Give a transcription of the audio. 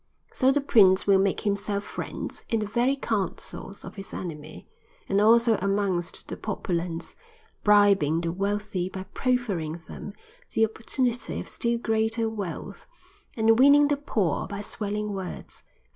So the prince will make himself friends in the very councils of his enemy, and also amongst the populace, bribing the wealthy by proffering to them the opportunity of still greater wealth, and winning the poor by swelling words.